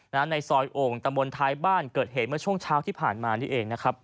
ในซอยโอ่งตะบนท้ายบ้านเกิดเหตุเมื่อช่วงเช้าที่ผ่านมานี่เองนะครับ